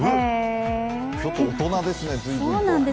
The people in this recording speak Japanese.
ちょっと大人ですね、随分と。